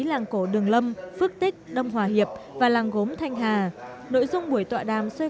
làng cổ đường lâm phước tích đông hòa hiệp và làng gốm thanh hà nội dung buổi tọa đàm xây